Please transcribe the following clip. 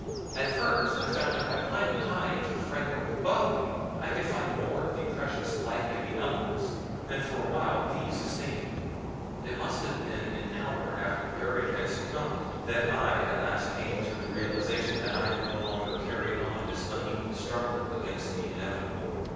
At first I found that by climbing high into the framework above me I could find more of the precious life giving elements, and for a while these sustained me. It must have been an hour after Perry had succumbed that I at last came to the realization that I could no longer carry on this unequal struggle against the inevitable.